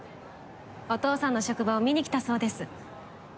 お父さんの職場を見にきたそうです。